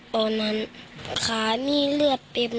ตอนนั้นข้ามีเลือดเต็มเลยครับ